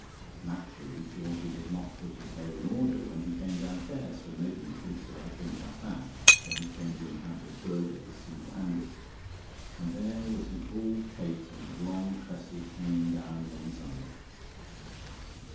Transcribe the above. Naturally Georgie had not put his hair in order when he came downstairs, for nobody thinks about things like that when he is going to encounter burglars single handed, and there was his bald pate and his long tresses hanging down one side.